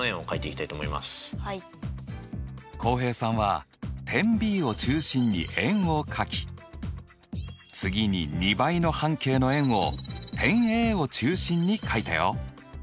浩平さんは点Ｂを中心に円を書き次に２倍の半径の円を点Ａを中心に書いたよ。